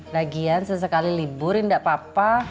lagian sesekali libur indah papa